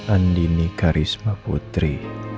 andini karisma putri